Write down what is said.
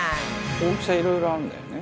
「大きさいろいろあるんだよね」